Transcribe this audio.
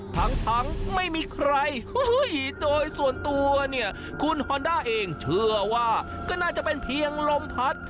ทั้งไม่มีใครโดยส่วนตัวเนี่ยคุณฮอนด้าเองเชื่อว่าก็น่าจะเป็นเพียงลมพัด